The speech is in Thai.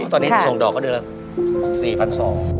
ตอนนี้ส่งดอกก็เดือนละ๔๒๐๐บาท